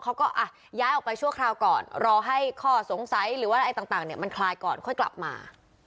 เขาก็ย้ายออกไปชั่วคราวก่อนรอให้ข้อสงสัยหรือว่าอะไรต่างมันคลายก่อนค่อยกลับมา